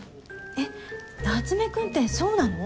えっ夏目くんってそうなの？